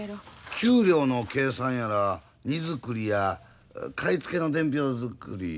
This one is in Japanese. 給料の計算やら荷造りや買い付けの伝票作り。